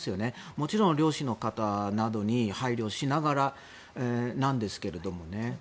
もちろん漁師の方などに配慮しながらなんですけれども。